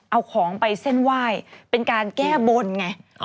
เอาของไปเส้นไหว้เป็นการแก้บนไง